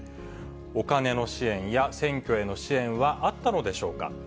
お金の支援や選挙への支援はあったのでしょうか。